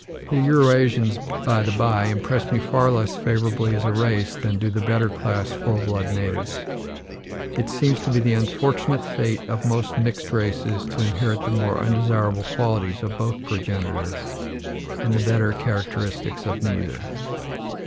The Eurasians, by the by, impress me far less favorably as a race than do the better class full blood natives. It seems to be the unfortunate fate of most mixed races to inherit the more undesirable qualities of both progenitors, and the better characteristics of neither.